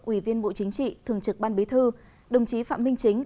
ủy viên bộ chính trị thường trực ban bí thư đồng chí phạm minh chính